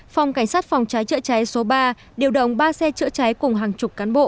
phòng cảnh sát phòng cháy chữa cháy số ba điều động ba xe chữa cháy cùng hàng chục cán bộ